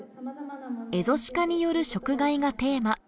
エゾシカによる食害がテーマ。